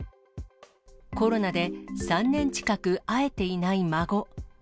コロナで３年近く会えていない孫。